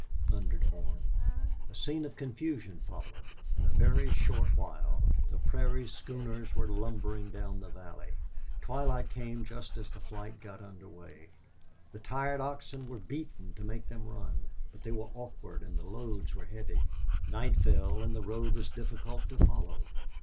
thundered Horn. A scene of confusion followed. In a very short while the prairie schooners were lumbering down the valley. Twilight came just as the flight got under way. The tired oxen were beaten to make them run. But they were awkward and the loads were heavy. Night fell, and the road was difficult to follow.